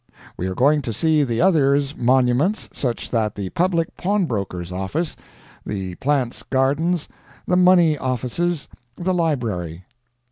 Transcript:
We are going too see the others monuments such that the public pawnbroker's office, the plants garden's, the money office's, the library.